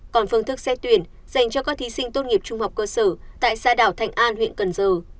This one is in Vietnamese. còn phương thức xét tuyển dành cho các thí sinh tốt nghiệp trung học cơ sở tại xã đảo thạnh an huyện cần giờ